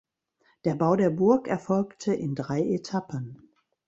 Der Bau der Burg erfolgte in drei Etappen.